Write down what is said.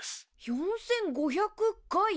４，５００垓？